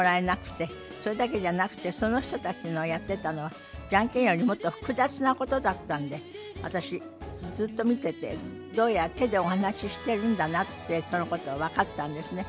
それだけじゃなくてその人たちのやってたのはジャンケンよりもっと複雑なことだったんで私ずっと見ててどうやら手でお話ししてるんだなってそのことが分かったんですね。